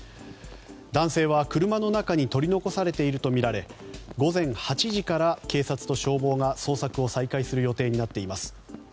男性は車の中に取り残されているとみられ午前８時から警察と消防が捜索を再開する予定となっています。